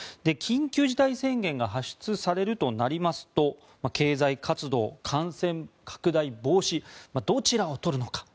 緊急事態宣言が発出されるとなりますと経済活動、感染拡大防止どちらを取るのか。